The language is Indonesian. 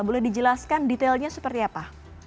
boleh dijelaskan detailnya seperti apa